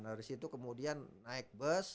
dari situ kemudian naik bus